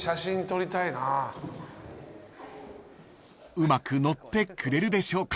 ［うまく乗ってくれるでしょうか？］